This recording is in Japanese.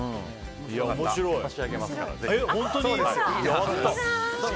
差し上げますから。